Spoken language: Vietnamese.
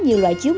nhiều loại chiếu